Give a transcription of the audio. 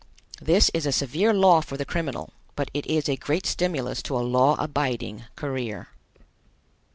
This is a severe law for the criminal, but it is a great stimulus to a law abiding career.